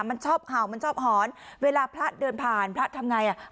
มันชอบเห่ามันชอบหอนเวลาพระเดินผ่านพระทำไงอ่ะ